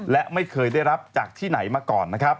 และไม่เคยได้รับจากที่ไหนมาก่อนนะครับ